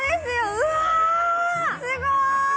うわー、すごーい！